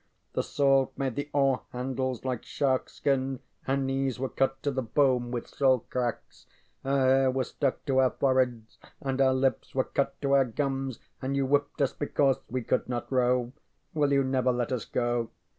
_ The salt made the oar handles like sharkskin; our knees were cut to the bone with salt cracks; our hair was stuck to our foreheads; and our lips were cut to our gums and you whipped us because we could not row. _Will you never let us go?